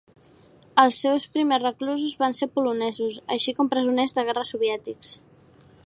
Els seus primers reclusos van ser polonesos, així com presoners de guerra soviètics.